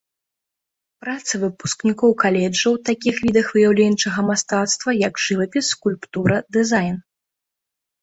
Працы выпускнікоў каледжа ў такіх відах выяўленчага мастацтва, як жывапіс, скульптура, дызайн.